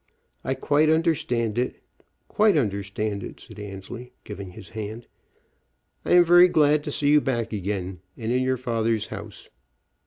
"I quite understand it; quite understand it," said Annesley, giving his hand. "I am very glad to see you back again, and in your father's house."